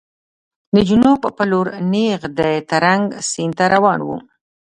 د جنوب په لور نېغ د ترنک سیند ته روان و.